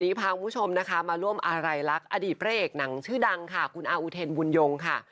พาคุณผู้ชมนะคะมาร่วมอาลัยลักษณ์อดีตพระเอกหนังชื่อดังค่ะคุณอาอุเทนบุญยงค่ะ